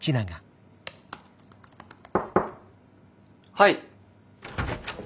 はい。